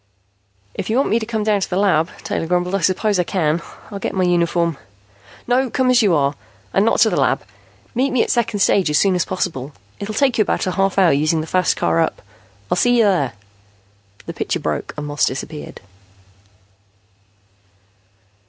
"If you want me to come down to the lab," Taylor grumbled, "I suppose I can. I'll get my uniform " "No. Come as you are. And not to the lab. Meet me at second stage as soon as possible. It'll take you about a half hour, using the fast car up. I'll see you there." The picture broke and Moss disappeared.